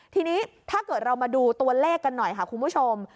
ทีนี้ถ้าเกิดเรามาดูตัวเลขกันหน่อยค่ะคุณผู้ชม